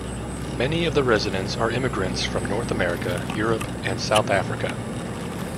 Many of the residents are immigrants from North America, Europe and South Africa.